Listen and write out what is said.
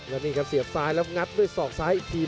แล้วนี่ครับเสียบซ้ายแล้วงัดด้วยศอกซ้ายอีกที